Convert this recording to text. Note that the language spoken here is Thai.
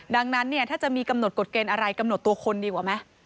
ดังนั้นเนี่ยถ้าจะมีกำหนดกฎเกณฑ์อะไรกำหนดตัวคนดีกว่าไหม